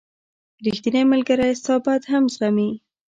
• ریښتینی ملګری ستا بد هم زغمي.